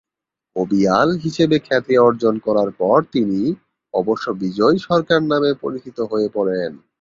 কবিয়াল হিসেবে খ্যাতি অর্জন করার পর তিনি অবশ্য বিজয় সরকার নামে পরিচিত হয়ে পড়েন।